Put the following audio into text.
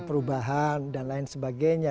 perubahan dan lain sebagainya